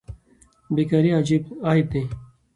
بیکاري عیب دی.